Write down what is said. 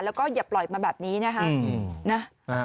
แล้วก็อย่าปล่อยมาแบบนี้นะคะ